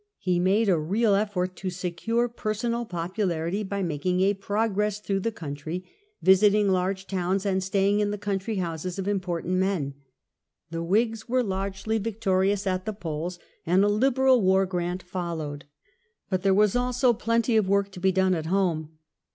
He made a real effort to secure personal popularity by making a "pro gress" through the country, visiting large towns, and staying in the country houses of important men. The Whigs were largely victorious at the polls, and a liberal war grant followed. But there was also plenty of work to be done at home.